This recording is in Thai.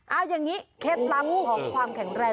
เอาอย่างนี้เคล็ดลับของความแข็งแรง